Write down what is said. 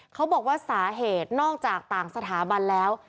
เขาบอกว่าสาเหตุนอกจากต่างสถาบันแล้ว